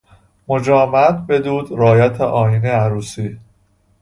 مجامعت بدود رعایت آئین عروسی